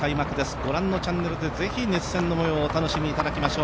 ご覧のチャンネルでぜひ熱戦の模様お楽しみいただきましょう。